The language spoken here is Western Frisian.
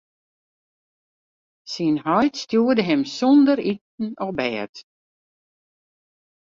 Syn heit stjoerde him sûnder iten op bêd.